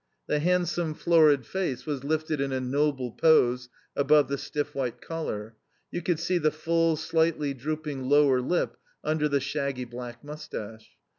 The handsome, florid face was lifted in a noble pose above the stiff white collar; you could see the full, slightly drooping lower lip under the shaggy black moustache.